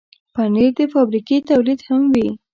پنېر د فابریکې تولید هم وي.